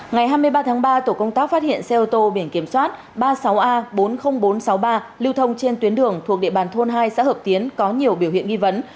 ngày hai mươi ba tháng ba tổ công tác phát hiện xe ô tô biển kiểm soát ba mươi sáu a bốn mươi nghìn bốn trăm sáu mươi ba lưu thông trên tuyến đường thuộc địa bàn thôn hai xã hợp tiến có nhiều biểu hiện nghi vấn